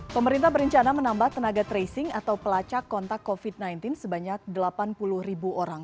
pemerintah berencana menambah tenaga tracing atau pelacak kontak covid sembilan belas sebanyak delapan puluh ribu orang